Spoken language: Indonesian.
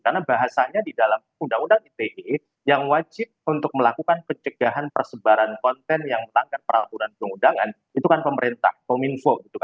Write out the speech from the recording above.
karena bahasanya di dalam undang undang ite yang wajib untuk melakukan pencegahan persebaran konten yang menangkap peraturan pengundangan itu kan pemerintah pominfo